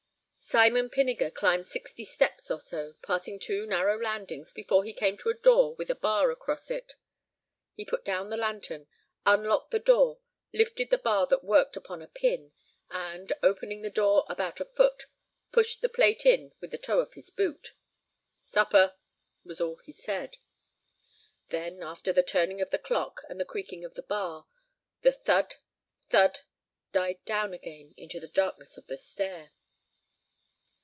Simon Pinniger climbed sixty steps or so, passing two narrow landings before he came to a door with a bar across it. He put down the lantern, unlocked the door, lifted the bar that worked upon a pin, and, opening the door about a foot, pushed the plate in with the toe of his boot. "Supper," was all he said. Then, after the turning of the lock and the creaking of the bar, the thud, thud died down again into the darkness of the stair.